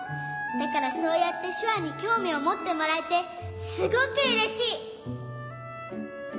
だからそうやってしゅわにきょうみをもってもらえてすごくうれしい！